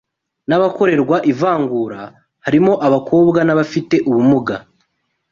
n’abakorerwa ivangura, harimo abakobwa n’abafite ubumuga